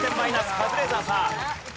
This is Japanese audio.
カズレーザーさん。